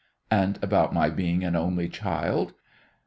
"And about my being an only child?"